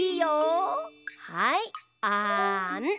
はいあん。